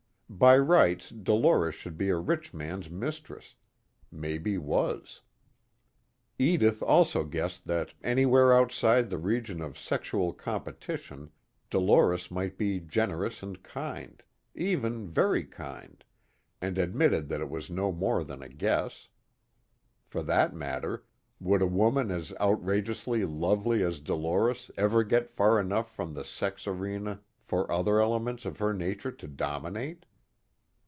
By rights Dolores should be a rich man's mistress, maybe was. Edith also guessed that anywhere outside the region of sexual competition Dolores might be generous and kind, even very kind and admitted that it was no more than a guess. For that matter, would a woman as outrageously lovely as Dolores ever get far enough from the sex arena for other elements of her nature to dominate?